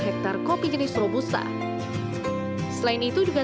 selain itu juga terdapat kopi yang diperlukan untuk mencari kopi yang lebih enak